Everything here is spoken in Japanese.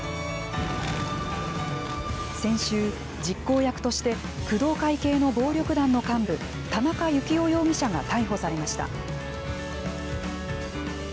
先週、実行役として工藤会系の暴力団の幹部、田中幸雄容疑者が逮捕されました。